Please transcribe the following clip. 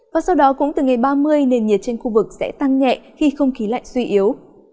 và sau đó cũng từ ngày ba mươi nền nhiệt trên khu vực sẽ tăng nhẹ khi không khí lạnh suy yếu